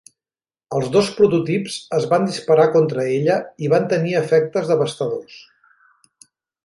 Els dos prototips es van disparar contra ella i van tenir efectes devastadors.